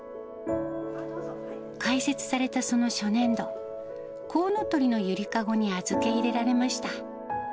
開設されたその初年度、こうのとりのゆりかごに預け入れられました。